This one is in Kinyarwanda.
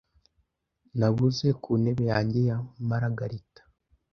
Nabuze ku ntebe yanjye ya maragarita,